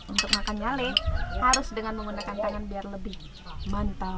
untuk makan nyale harus dengan menggunakan tangan biar lebih mantau